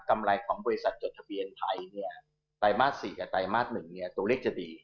ไรของบริษัทจดทะเบียนไทยเนี่ยไตรมาส๔กับไตรมาส๑ตัวเลขจะดี